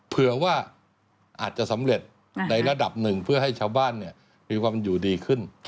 เผื่อว่าอาจจะสำเร็จในระดับหนึ่งเพื่อให้ชาวบ้านมีความอยู่ดีขึ้น